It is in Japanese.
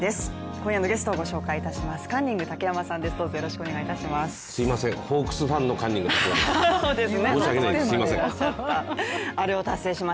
今夜のゲストをご紹介します。